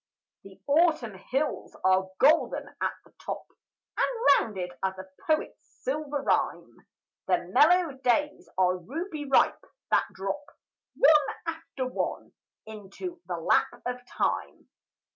The Autumn hills are golden at the top, And rounded as a poet's silver rhyme; The mellow days are ruby ripe, that drop One after one into the lap of time.